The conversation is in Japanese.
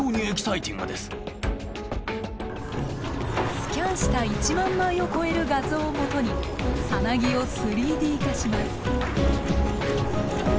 スキャンした１万枚を超える画像を基に蛹を３Ｄ化します。